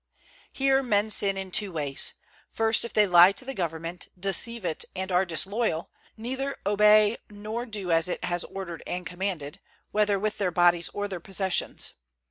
Here men sin in two ways. First, if they lie to the government, deceive it, and are disloyal, neither obey nor do as it has ordered and commanded, whether with their bodies or their possessions.